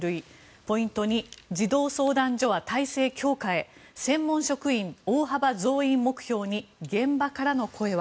ポイント２児童相談所は体制強化へ専門職員大幅増員目標に現場からの声は？